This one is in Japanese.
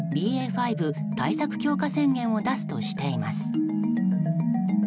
．５対策強化宣言を出すとしています。